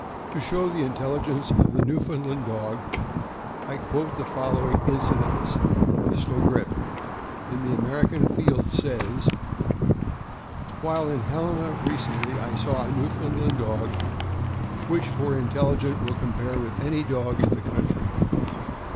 To show the intelligence of the Newfoundland dog, I quote the following incidents. " Pistol Grip," in the American Field, says: While in Helena recently, I saw a Newfoundland dog which for intelli gence will compare with any dog in the country.